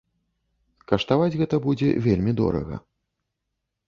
Каштаваць гэта будзе вельмі дорага.